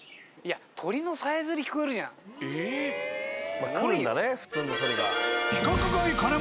ええっ？来るんだね普通の鳥が。